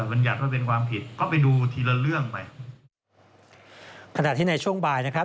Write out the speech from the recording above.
บรรยัติว่าเป็นความผิดก็ไปดูทีละเรื่องไปขณะที่ในช่วงบ่ายนะครับ